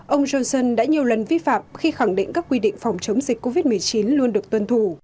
ông johnson đã nhiều lần vi phạm khi khẳng định các quy định phòng chống dịch covid một mươi chín luôn được tuân thủ